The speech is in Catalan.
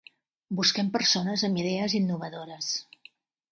Busquem persones amb idees innovadores.